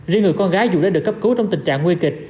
riêng người con gái dù đã được cấp cứu trong tình trạng nguy kịch